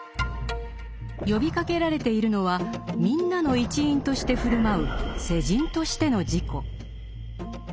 呼びかけられているのは「みんな」の一員として振る舞う「世人としての自己」。